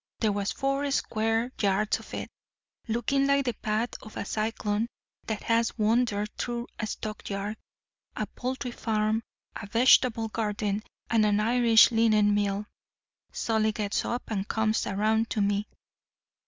There was four square yards of it, looking like the path of a cyclone that has wandered through a stock yard, a poultry farm, a vegetable garden, and an Irish linen mill. Solly gets up and comes around to me.